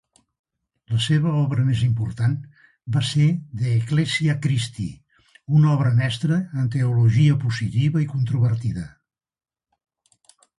La seva obra més important va ser De Ecclesia Christi, una obra mestra en teologia positiva i controvertida.